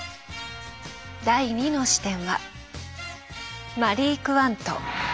第２の視点はマリー・クワント。